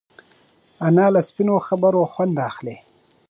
انا له سپینو خبرو خوند اخلي